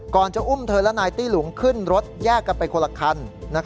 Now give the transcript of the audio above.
จะอุ้มเธอและนายตี้หลุงขึ้นรถแยกกันไปคนละคัน